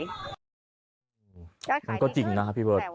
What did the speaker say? มันก็จริงนะครับพี่เบิร์ต